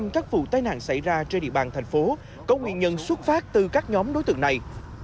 bảy mươi các vụ tai nạn xảy ra trên địa bàn thành phố có nguyên nhân xuất phát từ các nhóm đối tượng này